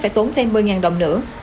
phải tốn thêm một mươi đồng nữa